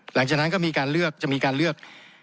หลังจากนั้นก็จะมีการเลือก